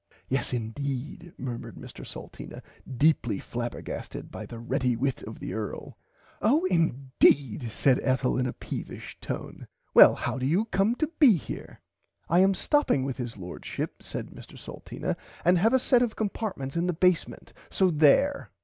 Yes indeed murmered Mr Salteena deeply flabbergasted by the ready wit of the earl. Oh indeed said Ethel in a peevish tone well how do you come to be here. I am stopping with his Lordship said Mr Salteena and have a set of compartments in the basement so there.